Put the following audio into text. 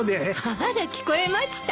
あら聞こえました？